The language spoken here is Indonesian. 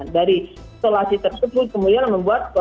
dari isolasi tersebut kemudian membuat